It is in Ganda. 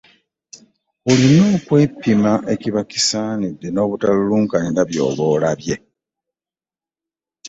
Olina okwepimira ekiba kisaanidde n’obutalulunkanira by’oba olabye.